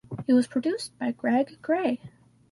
It was produced by Gregg Gray.